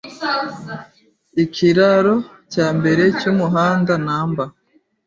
Ikiraro Cyambere Cyumuhanda number